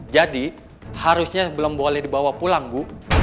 jadi harusnya belum boleh dibawa pulang bu